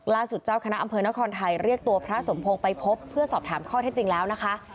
เจ้าคณะอำเภอนครไทยเรียกตัวพระสมพงศ์ไปพบเพื่อสอบถามข้อเท็จจริงแล้วนะคะ